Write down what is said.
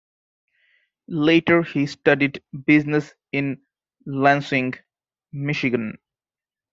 Later, he studied business in Lansing, Michigan.